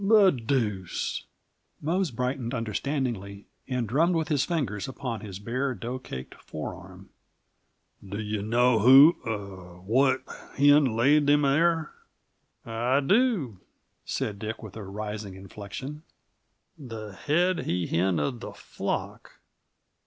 "The deuce!" Mose brightened understandingly and drummed with his fingers upon his bare, dough caked forearm. "Do yuh know who er what hen laid 'em there?" "I do," said Dick with a rising inflection. "The head he hen uh the flock.